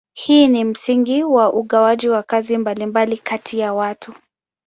Hii ni msingi wa ugawaji wa kazi mbalimbali kati ya watu.